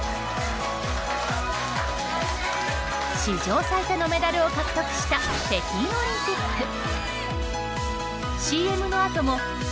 史上最多のメダルを獲得した北京オリンピック。